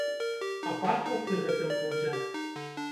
Ападкаў пры гэтым будзе.